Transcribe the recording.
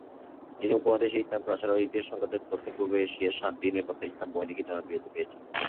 যিনি উপমহাদেশে ইসলামের প্রসার ও ইতিহাস সংক্রান্ত "দক্ষিণপূর্ব এশিয়ায় শান্তি, নিরাপত্তা ও ইসলাম" বই লিখে জনপ্রিয়তা পেয়েছেন।